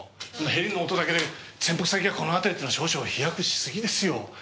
ヘリの音だけで潜伏先がこの辺りっていうのは少々飛躍し過ぎですよ。